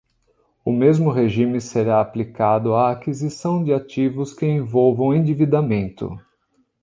O mesmo regime será aplicado à aquisição de ativos que envolvam endividamento.